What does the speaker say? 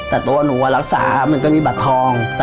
แต่ตัวหนูรักษามันก็มีบัตรทอง